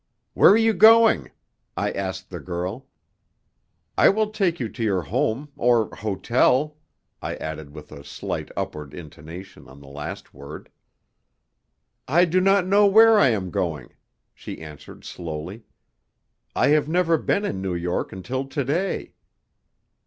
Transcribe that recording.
"Where are you going?" I asked the girl. "I will take you to your home or hotel," I added with a slight upward intonation on the last word. "I do not know where I am going," she answered slowly. "I have never been in New York until to day."